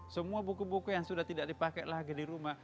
semua buku buku yang sudah tidak dipakai lagi di rumah